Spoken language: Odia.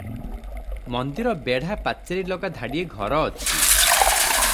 ମନ୍ଦିର ବେଢ଼ା ପାଚେରିଲଗା ଧାଡ଼ିଏ ଘର ଅଛି ।